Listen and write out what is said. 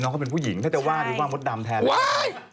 เขาเป็นผู้หญิงถ้าจะว่านี่ว่ามดดำแทนเลย